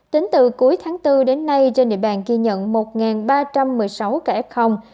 tính từ cuối tháng bốn đến nay trên địa bàn ghi nhận một ba trăm một mươi sáu ca f